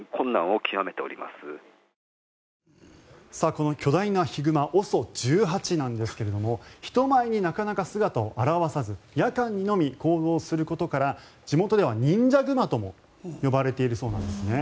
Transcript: この巨大なヒグマＯＳＯ１８なんですけれども人前になかなか姿を現さず夜間にのみ行動することから地元では忍者熊とも呼ばれているそうなんですね。